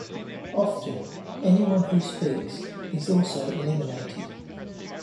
Often, anyone who speaks is also eliminated.